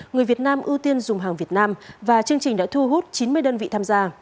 người việt nam ưu tiên dùng hàng việt nam và chương trình đã thu hút chín mươi đơn vị tham gia